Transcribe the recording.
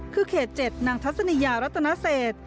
คือเขต๗นางทัศนียารัตนเศษ